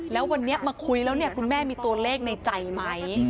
แล้ววันนี้มาคุยแล้วเนี่ยคุณแม่มีตัวเลขในใจไหม